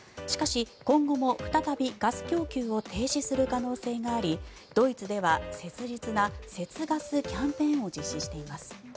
しかし、今後も再びガス供給を停止する可能性がありドイツでは切実な節ガスキャンペーンを実施しています。